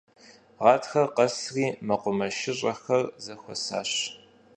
Гъатхэр къэсри мэкъумэшыщӀэхэр зэхуэсащ.